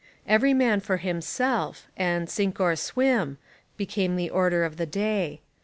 Every man for himself, and sink or swim, became the order of the day.